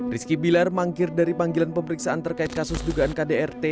rizky bilar mangkir dari panggilan pemeriksaan terkait kasus dugaan kdrt